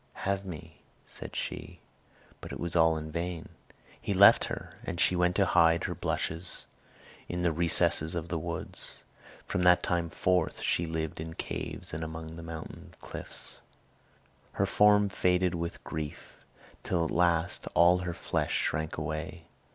"Have me," said she; but it was all in vain. He left her, and she went to hide her blushes in the recesses of the woods. From that time forth she lived in caves and among mountain cliffs. Her form faded with grief, till at last all her flesh shrank away.